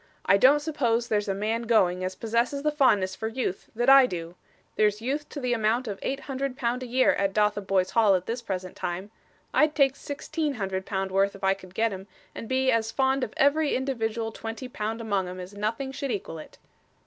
'I don't suppose there's a man going, as possesses the fondness for youth that I do. There's youth to the amount of eight hundred pound a year at Dotheboys Hall at this present time. I'd take sixteen hundred pound worth if I could get 'em, and be as fond of every individual twenty pound among 'em as nothing should equal it!